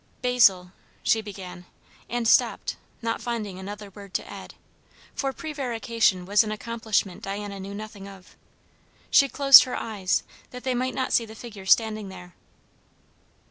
"Basil" she began, and stopped, not finding another word to add. For prevarication was an accomplishment Diana knew nothing of. She closed her eyes, that they might not see the figure standing there.